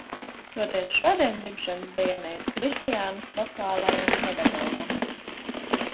Toties šodien dzimšanas diena ir Kristiānas vokālajam pedagogam.